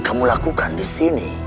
kamu lakukan disini